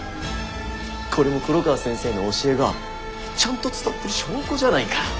これも黒川先生の教えがちゃんと伝わってる証拠じゃないか。